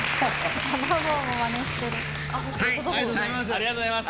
ありがとうございます。